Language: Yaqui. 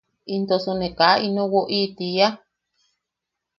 ¿Intosu ne kaa ino woʼi tiia?